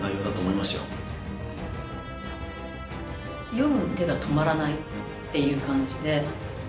読む手が止まらないっていう感じで。